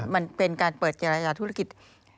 มันเป็นการเปิดเจรจาธุรกิจ